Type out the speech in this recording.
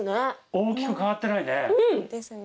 大きく変わってないね。